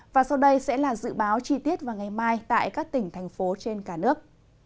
và sau đây sẽ là dự báo chi tiết vào ngày mai tại các tỉnh thành phố trên cả nước